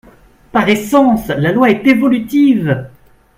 Par essence, la loi est évolutive.